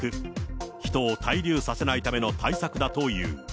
人を滞留させないための対策だという。